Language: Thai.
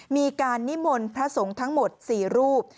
มีการนิมนต์พระสงฆ์ทั้งหมด๔รูป